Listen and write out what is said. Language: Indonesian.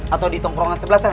atau di tongkrongan sebelah sana